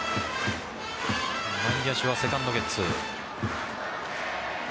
内野手はセカンドゲッツー。